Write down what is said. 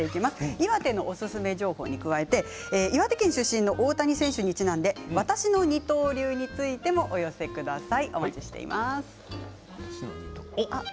岩手のおすすめ情報に加えて岩手県出身の大谷選手にちなんで私の二刀流についてもお寄せください。